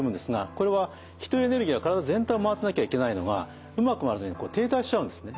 これは気というエネルギーが体全体を回ってなきゃいけないのがうまく回らずに停滞しちゃうんですね。